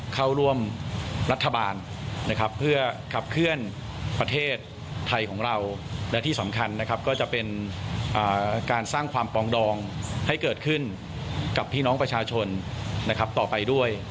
ความปองดองให้เกิดขึ้นกับพี่น้องประชาชนนะครับต่อไปด้วย